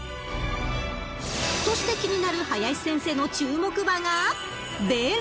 ［そして気になる林先生の注目馬が］